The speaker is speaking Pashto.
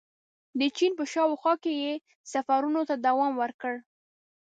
• د چین په شاوخوا کې یې سفرونو ته دوام ورکړ.